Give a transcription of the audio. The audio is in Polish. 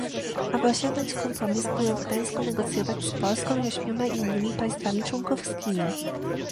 Aby osiągnąć kompromis, byłem w Gdańsku negocjować z Polską i ośmioma innymi państwami członkowskimi